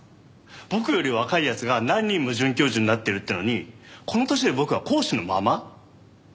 僕より若い奴が何人も准教授になってるっていうのにこの年で僕は講師のまま？